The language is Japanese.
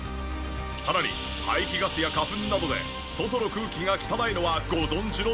さらに排気ガスや花粉などで外の空気が汚いのはご存じのとおり。